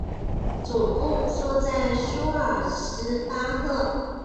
总部设在苏尔茨巴赫。